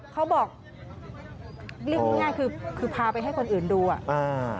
เขาบอกเรียกง่ายคือพาไปให้คนอื่นดู